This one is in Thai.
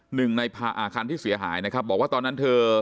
หนึ่งในคันที่เสียหายนะครับบอกว่าตอนนั้นเธอ